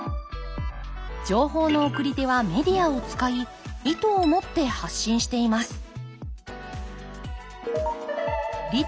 情報の送り手はメディアを使い意図を持って発信しています